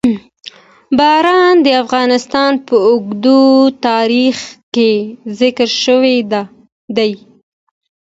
باران د افغانستان په اوږده تاریخ کې ذکر شوي دي.